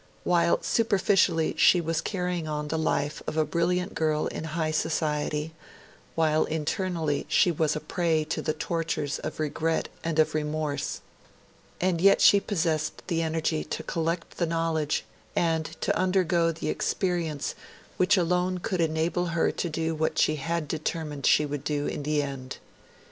While superficially she was carrying on the life of a brilliant girl in high society, while internally she was a prey to the tortures of regret and of remorse, she yet possessed the energy to collect the knowledge and to undergo the experience which alone could enable her to do what she had determined she would do in the end.